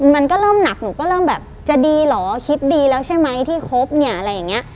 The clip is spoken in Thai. มันก็เริ่มหนักหนูก็เริ่มแบบจะดีเหรอคิดดีแล้วใช่ไหมที่คบเนี่ยอะไรอย่างนี้